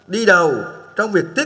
đi đầu trong việc tiết kiệm